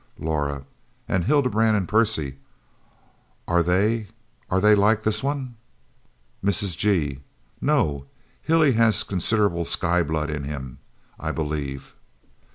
Laura "And Hildebrand and Percy are they are they like this one?" Mrs. G. "No, Hilly has considerable Skye blood in him, I believe."